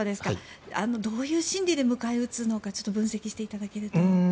どういう心理で迎え撃つのか分析していただけると。